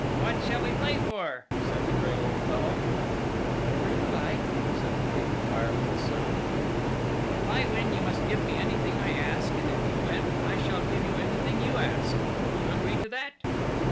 "What shall we play for?" said the gray old fellow. "Whatever you like," said the King of Ireland's Son. "If I win you must give me anything I ask, and if you win I shall give you anything you ask. Will you agree to that?"